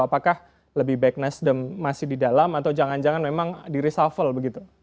apakah lebih baik nasdem masih di dalam atau jangan jangan memang di reshuffle begitu